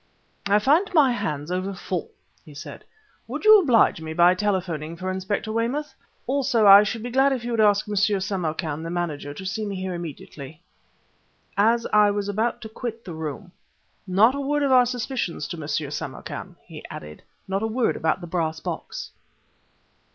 "I find my hands over full," he said. "Will you oblige me by telephoning for Inspector Weymouth? Also, I should be glad if you would ask M. Samarkan, the manager, to see me here immediately." As I was about to quit the room "Not a word of our suspicions to M. Samarkan," he added; "not a word about the brass box."